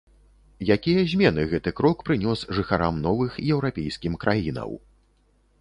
Якія змены гэты крок прынёс жыхарам новых еўрапейскім краінаў?